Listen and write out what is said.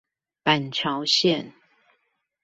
板橋線